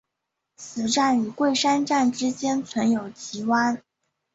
此站与桂山站之间存有急弯。